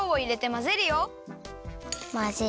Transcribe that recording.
まぜる。